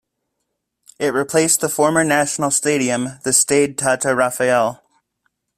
It replaced the former National Stadium, the Stade Tata Raphael.